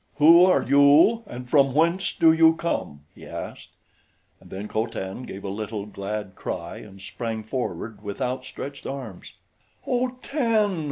"Who are you and from whence do you come?" he asked; and then Co Tan gave a little, glad cry and sprang forward with out stretched arms. "Oh, Tan!"